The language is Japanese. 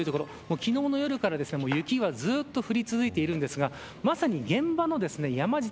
昨日の夜から雪はずっと降り続いているんですがまさに、現場の山自体